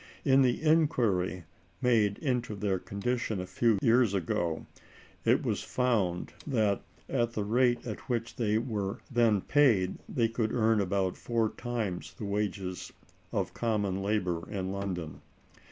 In the inquiry made into their condition a few years ago, it was found that, at the rate at which they were then paid, they could earn about four times the wages of common labor in London."